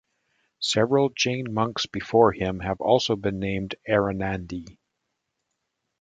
Several Jain monks before him have also been named Aryanandi.